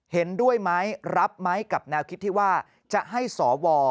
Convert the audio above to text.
เห็นด้วยไหมรับไหมกับแนวคิดที่ว่าจะให้สว